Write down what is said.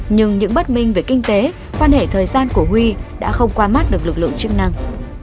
nhưng những bất minh về kinh tế quan hệ thời gian của huy đã không qua mắt được lực lượng chức năng